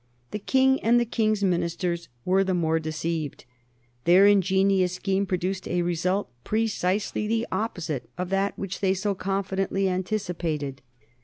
The King and the King's ministers were the more deceived. Their ingenious scheme produced a result precisely the opposite of that which they so confidently anticipated.